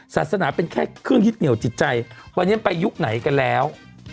ศาสนาเป็นแค่เครื่องยึดเหนียวจิตใจวันนี้มันไปยุคไหนกันแล้ว